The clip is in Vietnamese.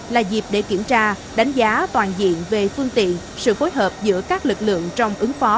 là dịp để kiểm tra đánh giá toàn diện về phương tiện sự phối hợp giữa các lực lượng trong ứng phó